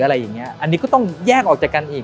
อันนี้ก็ต้องแยกออกจากกันอีก